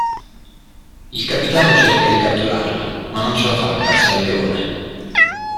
Il capitano cerca di catturarla, ma non ce la fa grazie a Leone.